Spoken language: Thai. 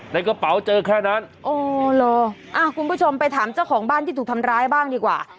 ในกระเป๋าเจอแค่นั้นอ๋อเหรออ่าคุณผู้ชมไปถามเจ้าของบ้านที่ถูกทำร้ายบ้างดีกว่า